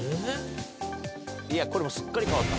いやこれすっかり変わった。